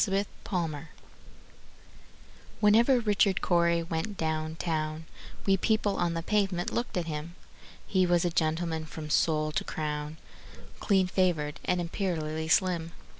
Richard Cory Whenever Richard Cory went down town, We people on the pavement looked at him: He was a gentleman from sole to crown, Clean favored, and imperially slim.